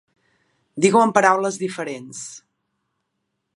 Digues-ho amb paraules diferents.